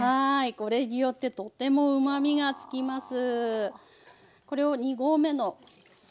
これによってとてもうまみがつきます。